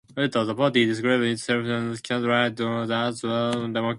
Later, the party described itself as centre-right and Christian democrat.